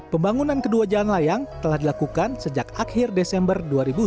pembangunan kedua jalan layang telah dilakukan sejak akhir desember dua ribu dua puluh